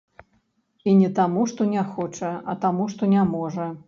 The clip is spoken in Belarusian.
І не таму, што не хоча, а таму, што не можа.